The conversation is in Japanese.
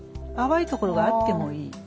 淡いところがあってもいい。